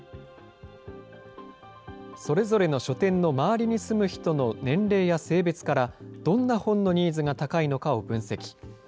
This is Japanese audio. それぞれの書店の周りに住む人の年齢や性別からどんな本のニーズが高いのかを分析。